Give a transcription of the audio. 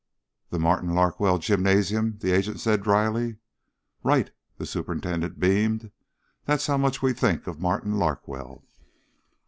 "The Martin Larkwell Gymnasium," the agent said drily. "Right." The superintendent beamed. "That's how much we think of Martin Larkwell."